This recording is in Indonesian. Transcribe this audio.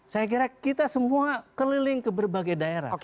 saya kira kita semua keliling ke berbagai daerah